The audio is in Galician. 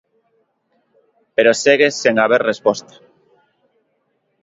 Pero segue sen haber resposta.